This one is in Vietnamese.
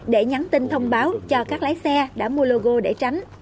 để nhắn tin thông báo cho các lái xe đã mua logo để tránh